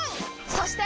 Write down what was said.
そして！